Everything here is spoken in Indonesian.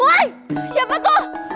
woi siapa tuh